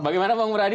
bagaimana pak ngubradi